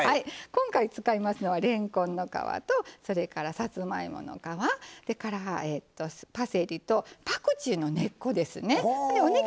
今回使いますのはれんこんの皮とそれからさつまいもの皮パセリとパクチーの根っこですね。